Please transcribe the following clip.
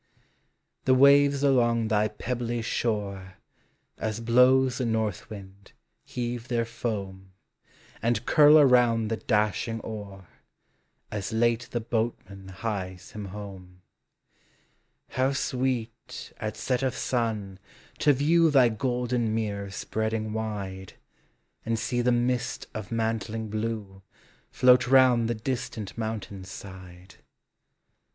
The waves along thy pebbly shore, As blows the north wind, heave their loam, And curl around the dashing oar, As late the boatman hies him home. How sweet, at set of sun, to view Thy golden mirror spreading wide, And see the mist of mantling blue Float round the distant mountain's side.